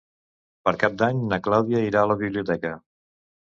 Per Cap d'Any na Clàudia irà a la biblioteca.